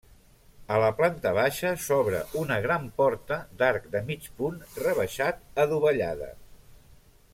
A la planta baixa s'obre una gran porta d'arc de mig punt rebaixat adovellada.